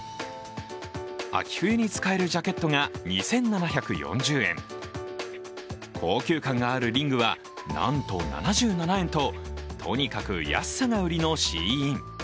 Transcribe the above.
秋冬に使えるジャケットが２７４０円、高級感があるリングはなんと７７円と、とにかく安さが売りのＳＨＥＩＮ。